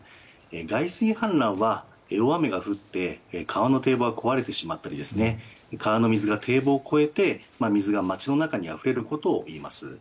外水氾濫は大雨が降って川の堤防が壊れてしまったり川の水が堤防を越えて水が街の中にあふれることをいいます。